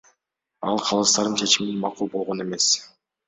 Ал калыстардын чечимине макул болгон эмес.